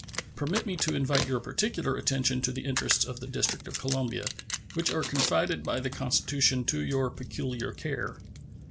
Permit me to invite your particular attention to the interests of the District of Columbia, which are confided by the Constitution to your peculiar care.